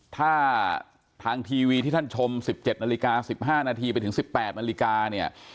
ถ้าทางทีวีที่ท่านชม๑๗นาฬิกา๑๕นาทีไปถึง๑๘นาฬิกาเนี่ย